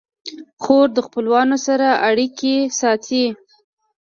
خور د خپلوانو سره اړیکې ساتي.